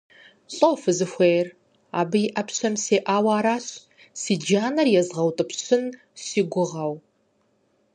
ЛӀо фызыхуейр? Абы и Ӏэпщэм сеӀауэ аращ, си джанэр езгъэутӀыпщын си гугъэу.